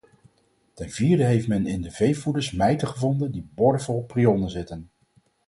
Ten vierde heeft men in de veevoeders mijten gevonden die boordevol prionen zitten.